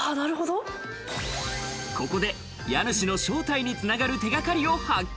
ここで家主の正体に繋がる手がかりを発見。